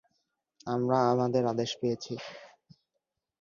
আমরা আমাদের আদেশ পেয়েছি।